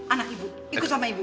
anak ibu ikut sama ibu